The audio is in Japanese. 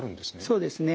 そうですね。